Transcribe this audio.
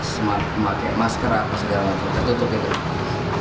memakai masker apa segala macam tertutup gitu